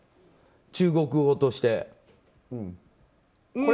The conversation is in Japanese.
中国語として。